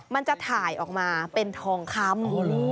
มันจะถ่ายออกมาเป็นทองคำ